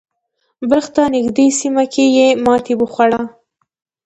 بلخ ته نږدې سیمه کې یې ماتې وخوړه.